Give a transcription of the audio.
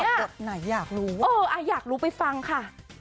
บทไหนอยากรู้ว่าอยากรู้ไปฟังค่ะ